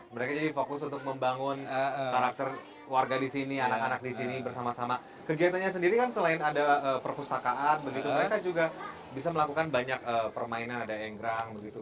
mereka jadi fokus untuk membangun karakter warga di sini anak anak di sini bersama sama kegiatannya sendiri kan selain ada perpustakaan begitu mereka juga bisa melakukan banyak permainan ada engrang begitu